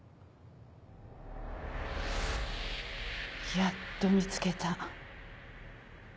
やっと見つけた。